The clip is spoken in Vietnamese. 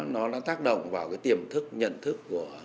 nó đã tác động vào cái tiềm thức nhận thức của